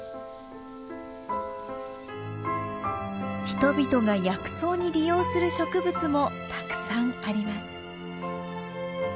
人々が薬草に利用する植物もたくさんあります。